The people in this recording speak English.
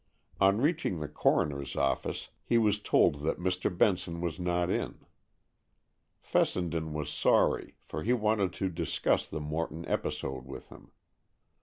On reaching the coroner's office, he was told that Mr. Benson was not in. Fessenden was sorry, for he wanted to discuss the Morton episode with him.